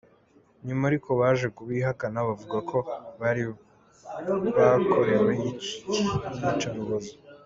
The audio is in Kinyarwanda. Nyuma ariko baje kubihakana bavuga ko bari bakorewe iyicarubozo.